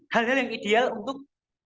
hal hal yang ideal untuk